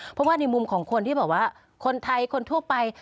เพราะว่าในมุมของคนที่แบบว่าคนไทยคนทั่วไป